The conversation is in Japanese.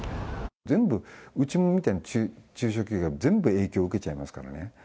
全部、うちみたいな中小企業は全部影響受けちゃいますからね。